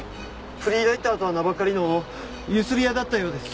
フリーライターとは名ばかりの強請屋だったようです。